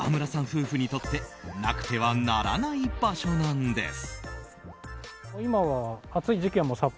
夫婦にとってなくてはならない場所なんです。